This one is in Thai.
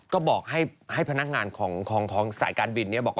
ก็บอกให้พนักงานของสายการบิน